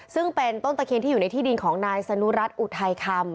ซึ่งเป็นต้นตะเคียนที่อยู่ในที่ดินของนายสนุรัติอุทัยคำ